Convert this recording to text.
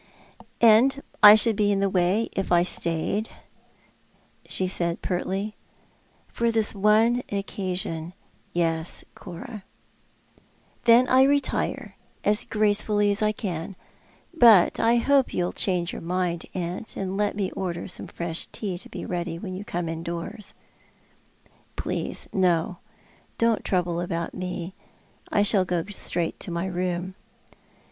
"And I should be in the way if I stayed," she said pertly. " For this one occasion, yes, Cora." "Then I retire, as gracefully as I can. But I hope you'll change your mind, aunt, and let me order some fresh tea to be ready when you come indoors." "Please no. Don't trouble about me. I shall go straight to my room."